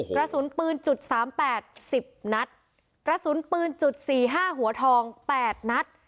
กระสุนปืนจุดสามแปดสิบนัดกระสุนปืนจุดสี่ห้าหัวทอง๘นัด